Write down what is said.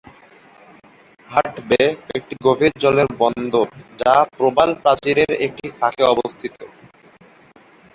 হাট বে একটি গভীর জলের বন্দর, যা প্রবাল প্রাচীরের একটি ফাঁকে অবস্থিত।